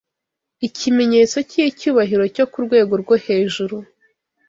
ikimenyetso cy’icyubahiro cyo ku rwego rwo hejuru.